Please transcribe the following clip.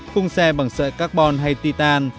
khung xe bằng sợi carbon hay titan